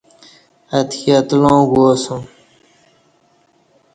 اتکی اتلاں گوا سوم۔